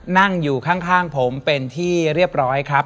นั่งอยู่ข้างผมเป็นที่เรียบร้อยครับ